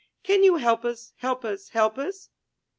Can you help us, help us, help us?''